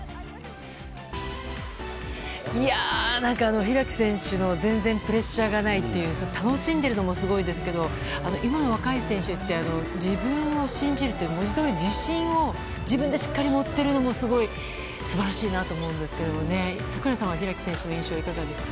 開選手の全然プレッシャーがないという楽しんでるのもすごいですけど今の若い選手って自分を信じるって文字どおり、自信を自分でしっかり持ってるのも素晴らしいなと思うんですが櫻井さんは開選手の印象いかがですか？